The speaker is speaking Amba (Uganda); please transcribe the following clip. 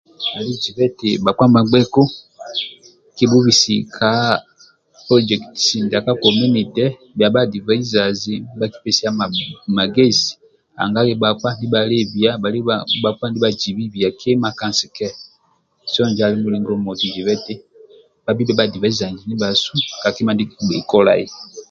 Ali jibhe nti bakpa bambgeku kibubhisi ka polojekitisi ndia ka komunite ba bya adivaizazi nibakipesiya magezi nanga bakpa ndibalebiya bali bakpa ndiba jibhi bhiya kima kansi kehe so njo ali mulingo moti jibhenti babi ba adivaizazi kakima ndie kibgei kolai